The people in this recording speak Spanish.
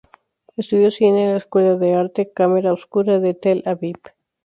Estudió cine en la Escuela de Arte Camera Obscura de Tel Aviv.